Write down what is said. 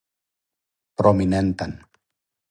проминентан